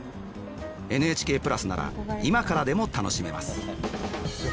ＮＨＫプラスなら今からでも楽しめます。